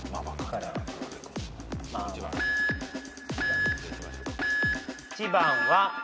１番でいきましょうか。